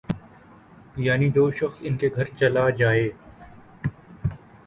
یعنی جو شخص ان کے گھر چلا جائے